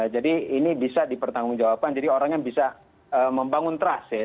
jadi ini bisa dipertanggung jawaban jadi orang yang bisa membangun trust ya